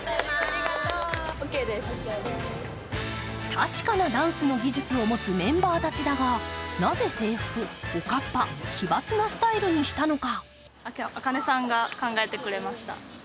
確かなダンスの技術を持つメンバーたちだがなぜ制服、おかっぱ、奇抜なスタイルにしたのか。